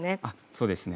そうですね。